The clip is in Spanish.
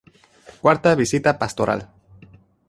Cuarta visita Pastoral.